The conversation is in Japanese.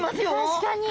確かに。